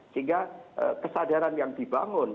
sehingga kesadaran yang dibangun